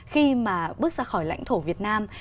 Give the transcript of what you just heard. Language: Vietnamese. khi mà bước ra khỏi lãnh thổ việt nam